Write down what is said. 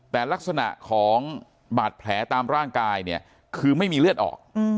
แต่ลักษณะของบาดแผลตามร่างกายเนี่ยคือไม่มีเลือดออก